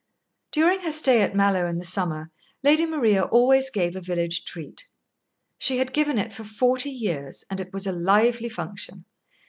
During her stay at Mallowe in the summer, Lady Maria always gave a village treat. She had given it for forty years, and it was a lively function.